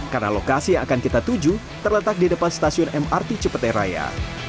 karena lokasi yang akan kita tuju terletak di depan stasiun mrt cepete raya